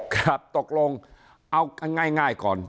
ครับตกลงเอาง่ายก่อน